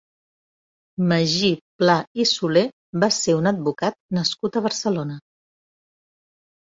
Magí Pla i Soler va ser un advocat nascut a Barcelona.